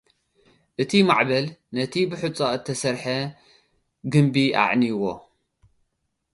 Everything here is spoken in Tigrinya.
እቲ ማዕበል፡ ነቲ ብሑጻ እተሰርሐ ግምቢ ኣዕንይዎ።